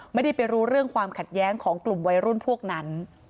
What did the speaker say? ไม่ได้ไปรู้เรื่องความขัดแย้งของกลุ่มวัยรุ่นพวกนั้น